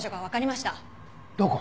どこ？